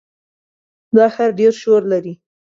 دا ښار ډېر شور لري.